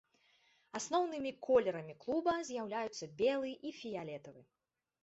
Асноўнымі колерамі клуба з'яўляюцца белы і фіялетавы.